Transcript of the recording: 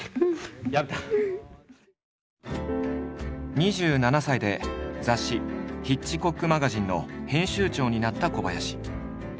２７歳で雑誌「ヒッチコック・マガジン」の編集長になった小林。